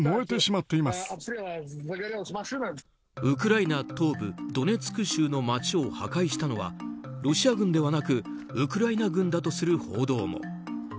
ウクライナ東部ドネツク州の街を破壊したのはロシア軍ではなくウクライナ軍だとする報道も。